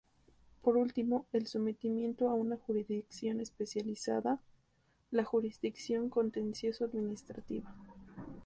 Por último, el sometimiento a una jurisdicción especializada, la jurisdicción Contencioso-Administrativa.